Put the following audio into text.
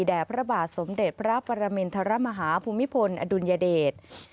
พระบาทสมเด็จพระปรมินทรมาฮาภูมิพลอดุลยเดช